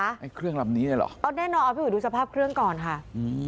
ไอ้เครื่องลำนี้เลยเหรอเอาแน่นอนเอาพี่อุ๋ยดูสภาพเครื่องก่อนค่ะอืม